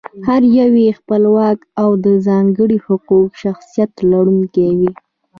هر یو یې خپلواک او د ځانګړي حقوقي شخصیت لرونکی وي.